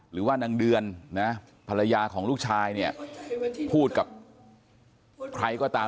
หรือว่านางเดือนนะภรรยาของลูกชายเนี่ยพูดกับใครก็ตาม